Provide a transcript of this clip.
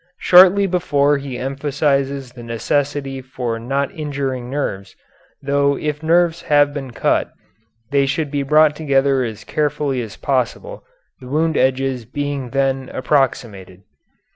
Shortly before he emphasizes the necessity for not injuring nerves, though if nerves have been cut they should be brought together as carefully as possible, the wound edges being then approximated.